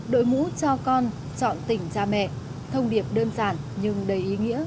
đội ngũ cho con chọn tỉnh cha mẹ thông điệp đơn giản nhưng đầy ý nghĩa